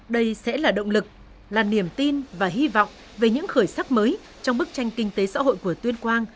đây sẽ là động lực là niềm tin và hy vọng về những khởi sắc mới trong bức tranh kinh tế xã hội của tuyên quang